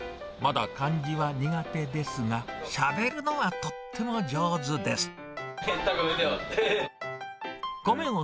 まだ漢字は苦手ですが、しゃべるのはとっても上手です。